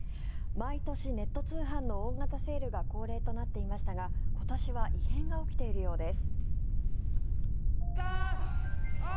毎年、ネット通販の大型セールが恒例となっていましたが今年は異変が起きているようです。